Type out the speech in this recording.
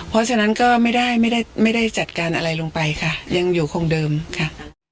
เพราะฉะนั้นก็ไม่ได้ไม่ได้จัดการอะไรลงไปค่ะยังอยู่คงเดิมค่ะ